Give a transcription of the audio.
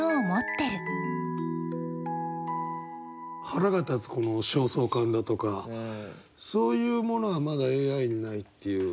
腹が立つこの焦燥感だとかそういうものはまだＡＩにないっていう。